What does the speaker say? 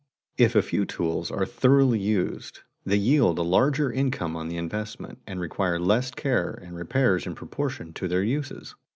If a few tools are thoroughly used, they yield a larger income on the investment, and require less care and repairs in proportion to their uses.